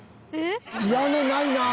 屋根ないなあ！